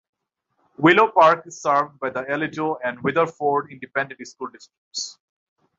Willow Park is served by the Aledo and Weatherford Independent School Districts.